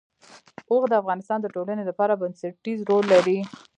اوښ د افغانستان د ټولنې لپاره بنسټيز رول لري.